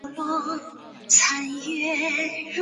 麦特尔峰是世界遗产蒂瓦希波乌纳穆地区的一部分。